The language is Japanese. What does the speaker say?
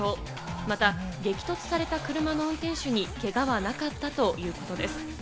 また激突された車の運転手にけがはなかったということです。